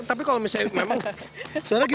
tapi kalau misalnya memang suara gitu